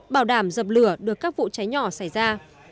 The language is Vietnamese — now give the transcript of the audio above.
bảo đảm dập lửa được các vụ cháy nhỏ xảy ra